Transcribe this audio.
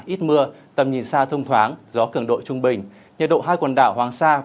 ít mưa tầm nhìn xa thông thoáng gió cường độ trung bình